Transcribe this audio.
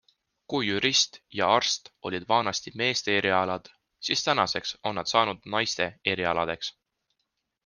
Kui jurist ja arst olid vanasti meeste erialad, siis tänaseks on nad saanud naiste erialadeks.